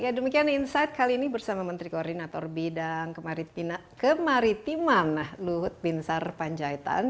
ya demikian insight kali ini bersama menteri koordinator bidang kemaritiman luhut binsar panjaitan